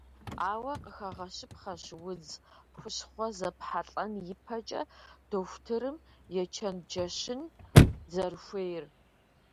Ауэ къыхэгъэщыпхъэщ, удз хущхъуэ зэпхьэлӏэн ипэкӏэ дохутырым ечэнджэщын зэрыхуейр.